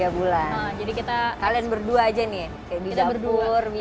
tiga bulan kalian berdua aja nih ya